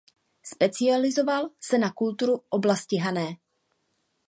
Specializoval se na kulturu oblasti Hané.